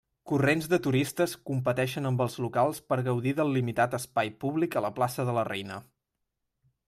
Corrents de turistes competeixen amb els locals per gaudir del limitat espai públic a la plaça de la Reina.